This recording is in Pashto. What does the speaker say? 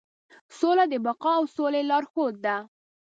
سوله د بقا او سولې لارښود ده.